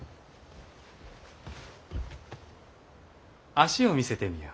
脚を見せてみよ。